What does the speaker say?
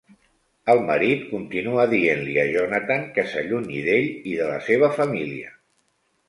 El marit continua dient-li a Jonathan que s'allunyi d'ell i de la seva família.